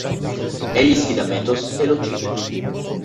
Egli sfida Methos e lo uccide.